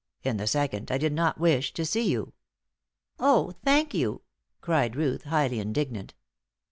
In the second, I did not wish to see you." "Oh, thank you!" cried Ruth, highly indignant.